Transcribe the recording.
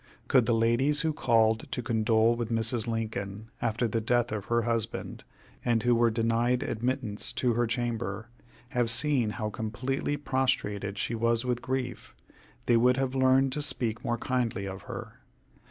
Could the ladies who called to condole with Mrs. Lincoln, after the death of her husband, and who were denied admittance to her chamber, have seen how completely prostrated she was with grief, they would have learned to speak more kindly of her.